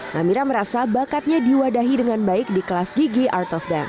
namira merasa bakatnya diwadahi dengan baik di kelas gigi art of bank